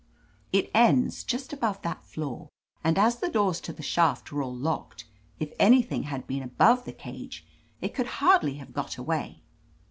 It ends just above that floor, and as the doors to the shaft were all locked, if any thing had been above the cage, it could hardly have got away.